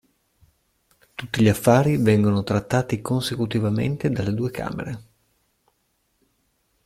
Tutti gli affari vengono trattati consecutivamente dalle due camere.